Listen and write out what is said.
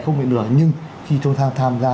không bị lừa nhưng khi chúng ta tham gia